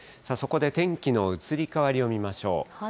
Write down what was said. そこで天気の移り変わりを見ましょう。